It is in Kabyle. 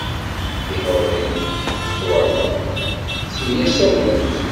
Tinuḍin twalaḍ, ttemyasament.